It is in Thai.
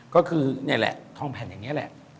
ก็คือเนี่ยแหละทองแผ่นแหละ